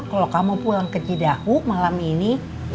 kalo kamu pulang ke cedahu malam ini